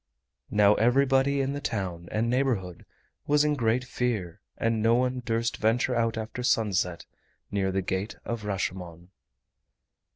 Now everybody in the town and neighborhood was in great fear, and no one durst venture out after sunset near the Gate of Rashomon.